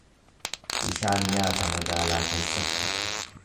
Barsiisaan nyaata magaalaa keessatti.